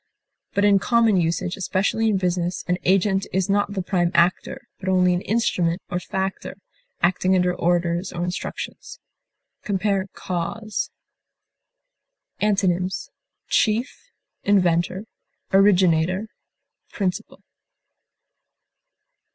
But in common usage, especially in business, an agent is not the prime actor, but only an instrument or factor, acting under orders or instructions. Compare CAUSE. Antonyms: chief, inventor, originator, principal.